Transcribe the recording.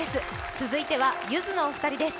続いてはゆずのお二人です。